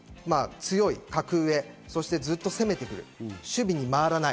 強い、格上、ずっと攻めてくる、守備に回らない。